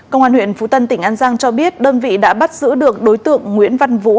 công an huyện phú tân tỉnh an giang cho biết đơn vị đã bắt giữ được đối tượng nguyễn văn vũ